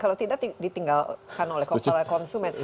kalau tidak ditinggalkan oleh konsumen